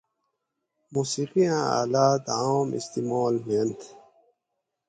موسیقیاۤں آلات عام استعمال ہوڛۤت